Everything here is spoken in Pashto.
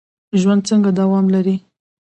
ژوند څنګه دوام لري؟